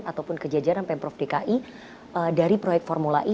ataupun ke jajaran pemprov dki dari proyek formula i